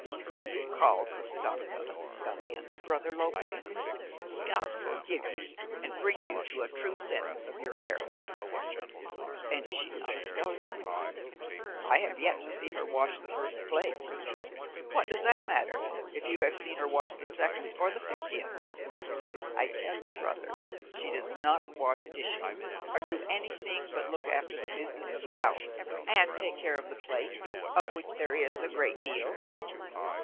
"Do you call Costanza a scullion, brother Lope? God forgive you, and bring you to a true sense of your error." "And is not she a scullion?" "I have yet to see her wash the first plate." "What does that matter, if you have seen her wash the second, or the fiftieth?" "I tell you brother she does not wash dishes, or do anything but look after the business of the house, and take care of the plate, of which there is a great deal."